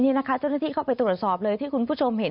นี่นะคะเจ้าหน้าที่เข้าไปตรวจสอบเลยที่คุณผู้ชมเห็น